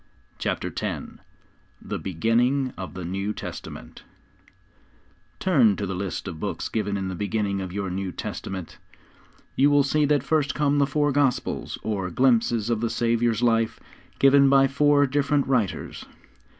CHAPTER X THE BEGINNING OF THE NEW TESTAMENT [Illustration: (drop cap T) Coin of Thessalonica] Turn to the list of books given in the beginning of your New Testament. You will see that first come the four Gospels, or glimpses of the Saviour's life given by four different writers.